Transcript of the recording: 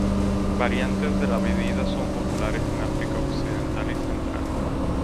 Variantes de la bebida son populares en África occidental y central.